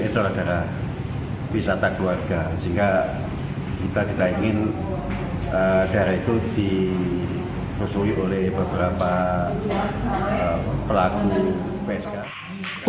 itu adalah daerah wisata keluarga sehingga kita tidak ingin daerah itu dipusuhi oleh beberapa pelaku psk